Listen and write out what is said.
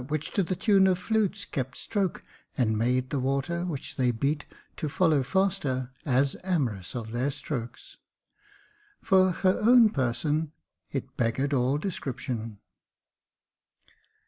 Which to the tune of flutes kept stroke, and made The water, which they beat, to follow faster, As amorous of their strokes. For her own person, It beggar'd all description."